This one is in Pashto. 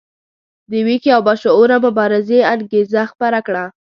د ویښې او باشعوره مبارزې انګیزه خپره کړه.